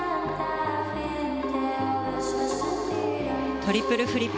トリプルフリップ。